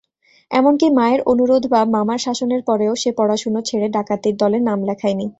এমনকি মায়ের অনুরোধ বা মামার শাসনের পরেও সে পড়াশুনো ছেড়ে ডাকাতির দলে নাম লেখায়নি।